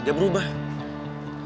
dia berpohon kok